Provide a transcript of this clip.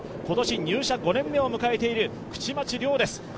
今年入社５年目を迎えている口町亮です。